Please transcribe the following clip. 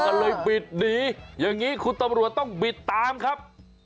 ก็เลยบิดหนีอย่างนี้คุณตำรวจต้องบิดตามครับ